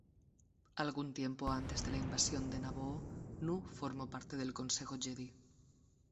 Algún tiempo antes de la Invasión de Naboo, Nu formó parte del Consejo Jedi.